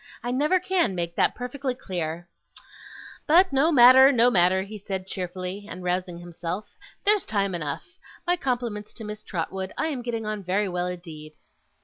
I never can make that perfectly clear. But no matter, no matter!' he said cheerfully, and rousing himself, 'there's time enough! My compliments to Miss Trotwood, I am getting on very well indeed.